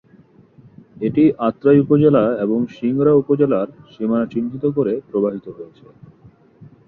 এটি আত্রাই উপজেলা এবং সিংড়া উপজেলার সীমানা চিহ্নিত করে প্রবাহিত হয়েছে।